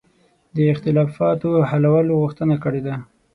د اختلافاتو د حلولو غوښتنه کړې ده.